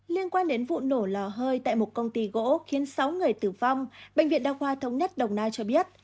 liên quan đến vụ nổ lò hơi tại một công ty gỗ khiến sáu người tử vong bệnh viện đa khoa thống nhất đồng nai cho biết